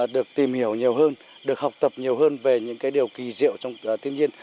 được tìm hiểu nhiều hơn được học tập nhiều hơn về những cái điều kỳ diệu trong thiên nhiên